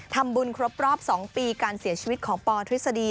ทำบุญครบรอบ๒ปีการเสียชีวิตของปทฤษฎี